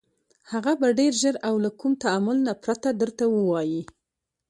هغه به ډېر ژر او له كوم تأمل نه پرته درته ووايي: